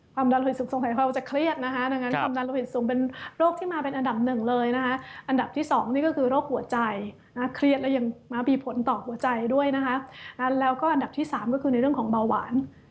ดันรู้สึกสงสารเขาจะเครียดนะคะดังนั้นความดันโลหิตสูงเป็นโรคที่มาเป็นอันดับหนึ่งเลยนะคะอันดับที่๒นี่ก็คือโรคหัวใจเครียดแล้วยังมีผลต่อหัวใจด้วยนะคะแล้วก็อันดับที่๓ก็คือในเรื่องของเบาหวาน